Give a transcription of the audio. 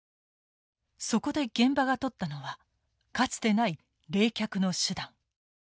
そこで現場がとったのはかつてない冷却の手段。